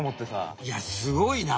いやすごいな！